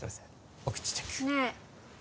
お口チャックねえ